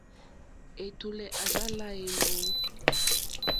Ɛ̀tùlɛ̀ à rzá lā èmbǒ.